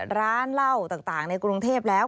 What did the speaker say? ร้านเหล้าต่างในกรุงเทพแล้ว